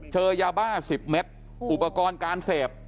เจอยาบ้า๑๐เม็ดอุปกรณ์การเสพ